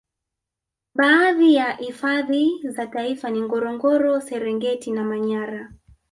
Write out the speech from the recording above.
Baadhi ya hifadhi za taifa ni Ngorongoro Serengeti na Manyara